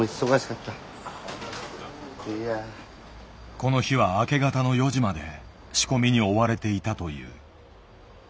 この日は明け方の４時まで仕込みに追われていたという。